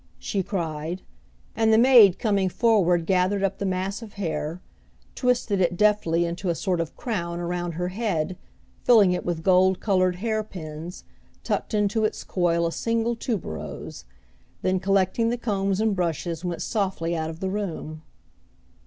she cried; and the maid coming forward gathered up the mass of hair, twisted it deftly into a sort of crown around her head, filling it with gold colored hair pins, tucked into its coil a single tuberose; then collecting the combs and brushes went softly out of the room.